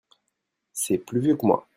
C'est plus vieux que moi.